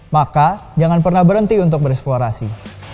maka jangan pernah berhenti untuk bereksplorasi